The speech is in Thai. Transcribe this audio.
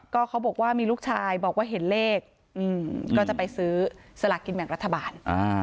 ก็เขาบอกว่ามีลูกชายบอกว่าเห็นเลขก็จะไปซื้อสลากกินแบ่งรัฐบาล